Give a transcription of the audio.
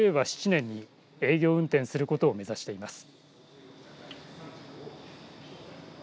７年に営業運転することを目指しています。